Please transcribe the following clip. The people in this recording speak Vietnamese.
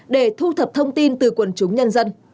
để thu thập thông tin từ quần chúng nhân dân